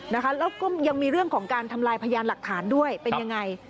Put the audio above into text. แล้วก็ยังมีเรื่องของการทำลายพยานหลักฐานด้วยเป็นยังไง